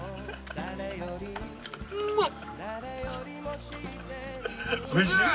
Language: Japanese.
うまっ！